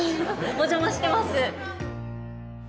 お邪魔してます。